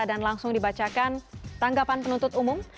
dan langsung dibacakan tanggapan penuntut umum